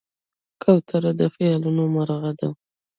کوتره د خیالونو مرغه ده.